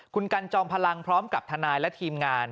คุณกันจอมพลังพร้อมกับทนายและทีมงาน